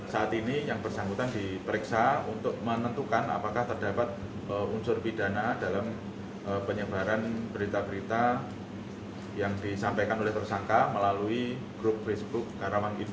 saat ini yang bersangkutan diperiksa untuk menentukan apakah terdapat unsur pidana dalam penyebaran berita berita yang disampaikan oleh tersangka melalui grup facebook karawang gita